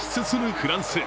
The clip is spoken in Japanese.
フランス。